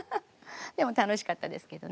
でも楽しかったですけどね。